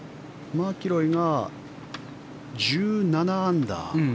マキロイが１７アンダー。